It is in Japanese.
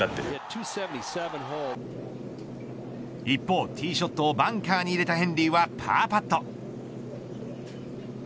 一方、ティーショットをバンカーに入れたヘンリーはパーパット。